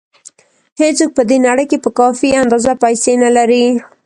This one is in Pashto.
هېڅوک په دې نړۍ کې په کافي اندازه پیسې نه لري.